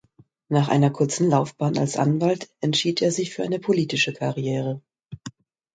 Nach einer kurzen Laufbahn als Anwalt entschied er sich für eine politische Karriere.